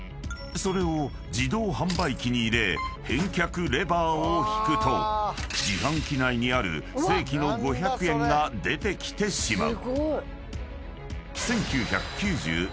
［それを自動販売機に入れ返却レバーを引くと自販機内にある正規の５００円が出てきてしまう］